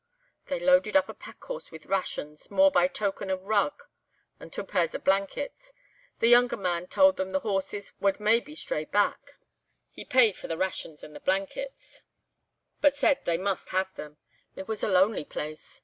"They loaded up a packhorse with rations, more by token a rug and twa pairs blankets. The younger man told them the horses wad maybe stray back. He paid for the rations and the blankets, but said they must have them. It was a lonely place.